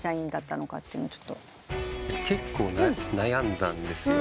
結構悩んだんですよ。